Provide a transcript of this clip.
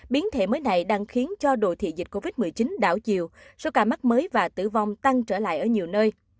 biến thể mới này đang khiến cho đồ thị dịch covid một mươi chín đảo chiều số ca mắc mới và tử vong tăng trở lại ở nhiều nơi